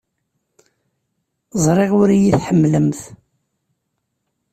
Ẓriɣ ur iyi-tḥemmlemt.